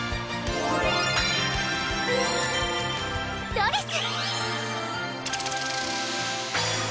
ドレス！